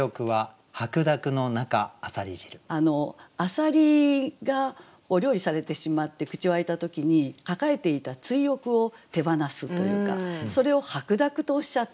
浅蜊がお料理されてしまって口を開いた時に抱えていた追憶を手放すというかそれを「白濁」とおっしゃった。